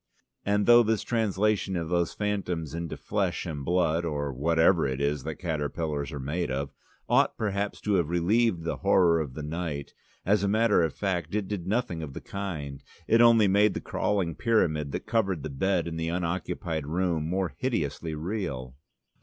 And though this translation of those phantoms into flesh and blood or whatever it is that caterpillars are made of ought perhaps to have relieved the horror of the night, as a matter of fact it did nothing of the kind. It only made the crawling pyramid that covered the bed in the unoccupied room more hideously real.